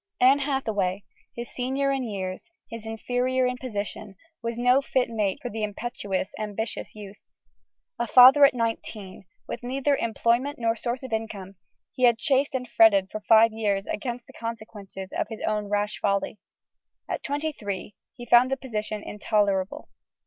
Anne Hathaway, his senior in years, his inferior in position, was no fit mate for the impetuous, ambitious youth. A father at nineteen, with neither employment nor source of income, he had chafed and fretted for five years against the consequences of his own rash folly: at twenty three, he found the position intolerable.